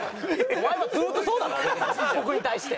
お前はずっとそうだろ僕に対して。